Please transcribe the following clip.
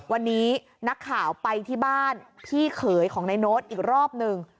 วันนี้นักข่าวไปที่บ้านพี่เขยของนายโน๊ตอีกรอบหนึ่ง